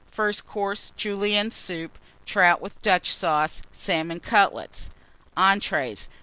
FIRST COURSE. Julienne Soup. Trout with Dutch Sauce. Salmon Cutlets. ENTREES.